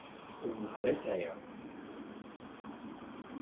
Ẓẓher i sɛiɣ.